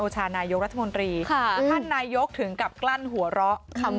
คาร์นนโยกถึงกับกลั้นหัวเราะ